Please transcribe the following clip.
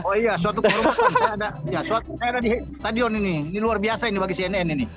oh iya suatu kelompok saya ada di stadion ini ini luar biasa bagi cnn ini